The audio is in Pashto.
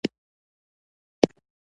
• دښمني د دوښمنانو زیاتوالی دی.